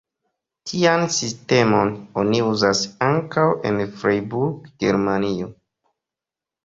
Tian sistemon oni uzas ankaŭ en Freiburg, Germanio.